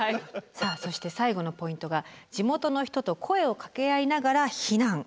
さあそして最後のポイントが「地元の人と声をかけ合いながら避難」。